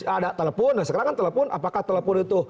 ada telepon nah sekarang kan telepon apakah telepon itu